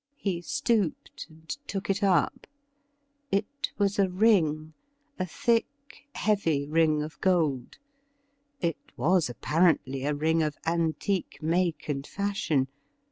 He stooped and took it up. It was a ring — a thick, heavy ring of gold. It was apparently a ring of antique make and fashion.